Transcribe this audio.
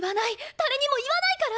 誰にも言わないから！